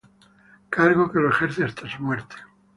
Cargo que lo ejerce hasta su muerte.